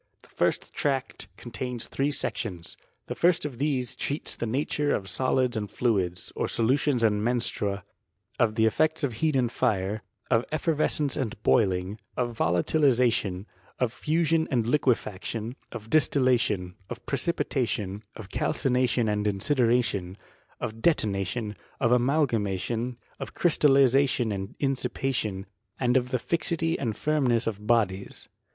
The first tract contains three sections. The first of these treats of the nature of solids and fluids, of solu * tions and menstrua, of the effects of heat and fire, of effervescence and boiling, of volatilization, of fu » sion and liquefaction, of distillation, of precipitation, of calcination and incineration, of detonation, of amalgamation, of crystallization and inspissation, and of the fixity and firmness of bodies.